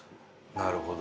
なるほど。